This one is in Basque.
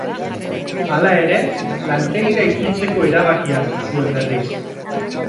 Hala ere, lantegira itzultzeko erabakia hartu zuen berriz.